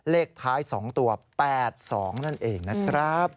เลขท้าย๒ตัว๘๒นั่นเองนะครับ